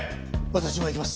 私も行きます。